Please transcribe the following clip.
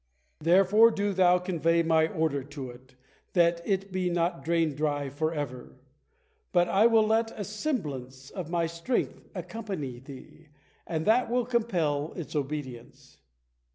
Therefore, do thou convey My order to it, that it be not drained dry forever. But I will let a semblance of My strength accompany thee, and that will compel its obedience."